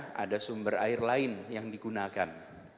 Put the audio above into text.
karena ada sumber air lain yang digunakan